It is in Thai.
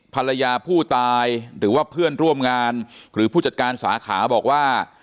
ภรรยาผู้ตายหรือว่าเพื่อนร่วมงานหรือผู้จัดการสาขาบอกว่า